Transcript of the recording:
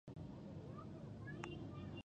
د کورنۍ مینه زموږ د ژوند بنسټ دی.